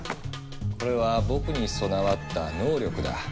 これは僕に備わった「能力」だ。